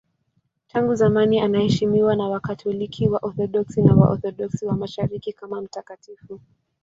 Tangu zamani anaheshimiwa na Wakatoliki, Waorthodoksi na Waorthodoksi wa Mashariki kama mtakatifu.